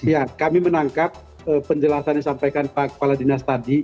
ya kami menangkap penjelasan yang disampaikan pak kepala dinas tadi